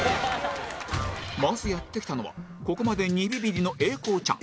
まずやって来たのはここまで２ビビリの英孝ちゃん